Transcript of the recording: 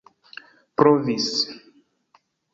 provis